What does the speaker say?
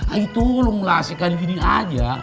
ay tolonglah sekali ini aja